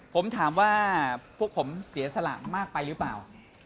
ผมถามว่าพวกผมเสียสละมากไปหรือเปล่า